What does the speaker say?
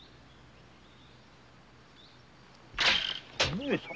上様